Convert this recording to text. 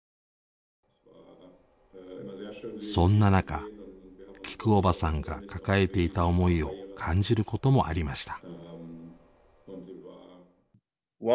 そんな中きくおばさんが抱えていた思いを感じることもありました。